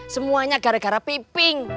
semuanya gara gara piping